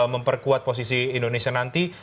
memperkuat posisi indonesia nanti